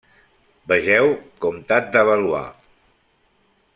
Vegeu Comtat de Valois.